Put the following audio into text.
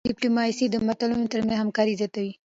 ډيپلوماسي د ملتونو ترمنځ همکاري زیاتوي.